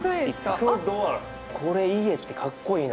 これ家ってかっこいいな。